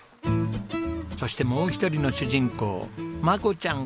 そしてもう一人の主人公マコちゃん